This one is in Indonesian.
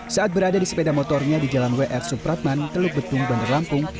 saat berada di sepeda motornya di jalan wr supratman teluk betung bandar lampung